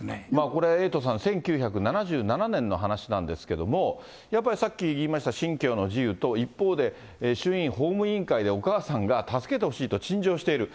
これ、エイトさん、１９７７年の話なんですけれども、やっぱりさっき言いました信教の自由と、一方で、衆院法務委員会でお母さんが助けてほしいと、陳情している。